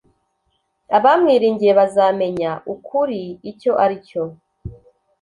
abamwiringiye bazamenya ukuri icyo ari cyo